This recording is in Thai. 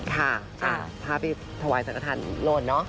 ค่ะพาไปถวายสังฆฐานโลนเนอะ